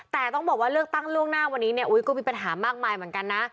แต่ต้องบอกว่าเลือกตั้งล่วงหน้าวันนี้เนี่ยอุ๊ยก็มีปัญหามากมายเหมือนกันนะ